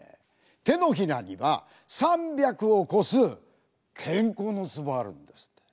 手のひらには３００を超す健康のツボあるんですって。